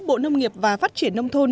bộ nông nghiệp và phát triển đồng thôn